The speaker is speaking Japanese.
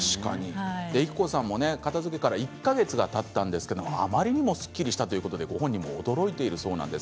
育子さんも片づけから１か月がたったんですがあまりにもすっきりしたということでご本人も驚いているそうです。